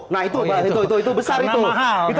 nah itu besar itu